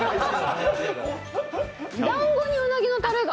だんごにうなぎのタレが。